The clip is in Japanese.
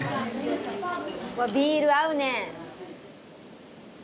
ビール合うね。